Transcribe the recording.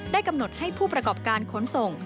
กำหนดให้ผู้ประกอบการขนส่ง